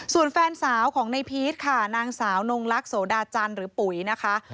ส่วนแฟนสาวของในพีชค่ะนางสาวนงลักษณโสดาจันทร์หรือปุ๋ยนะคะ